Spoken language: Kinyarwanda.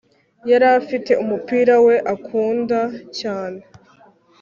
yarafite umupira we akunda cyane